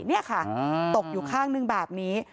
นี่ค่ะตกอยู่ข้างนึงแบบนี้